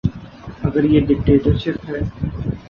اگر یہ ڈکٹیٹرشپ ہے۔